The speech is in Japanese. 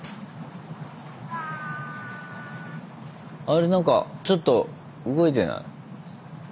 あれなんかちょっと動いてない？